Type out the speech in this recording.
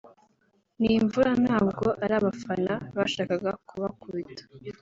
ni imvura ntabwo ari abafana bashakaga kubakubita